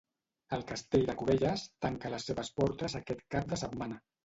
El Castell de Cubelles tanca les seves portes aquest cap de setmana.